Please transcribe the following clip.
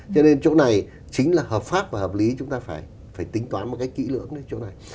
cho nên chỗ này chính là hợp pháp và hợp lý chúng ta phải tính toán một cách kỹ lưỡng đến chỗ này